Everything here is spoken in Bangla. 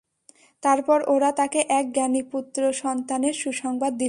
তারপর ওরা তাকে এক জ্ঞানী পুত্র সন্তানের সুসংবাদ দিল।